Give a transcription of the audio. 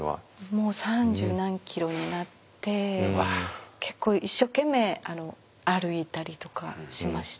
もう三十何キロになって結構一生懸命歩いたりとかしました。